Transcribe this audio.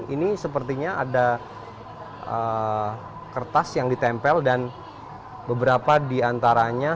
ini sepertinya ada kertas yang ditempel dan beberapa diantaranya